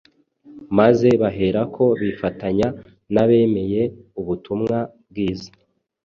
maze baherako bifatanya n’abemeye Ubutumwa Bwiza.